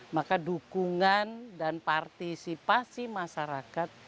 maka dukungan dan partisipasi masyarakat